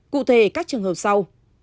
cụ thể các trường hợp sau